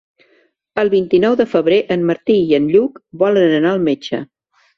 El vint-i-nou de febrer en Martí i en Lluc volen anar al metge.